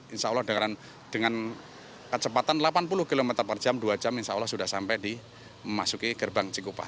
insya allah dengan kecepatan delapan puluh km per jam dua jam insya allah sudah sampai di memasuki gerbang cikupa